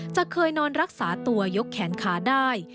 จะเคยนอนรักษาตัวยกแขนขาได้